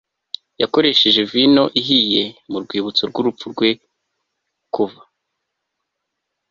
yakoresheje vino ihiye mu Rwibutso rw urupfu rwe Kuva